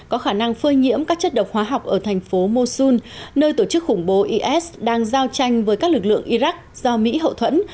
có khả năng phơi nhiễm các chất độc hóa học ở thành phố mosun nơi tổ chức khủng bố is đang giao tranh với các lực lượng iraq do mỹ hậu thuẫn